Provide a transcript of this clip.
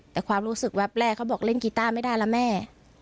แต่ความรู้สึกแวบแรกเขาบอกเล่นกีต้าไม่ได้แล้วแม่